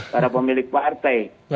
para pemilik partai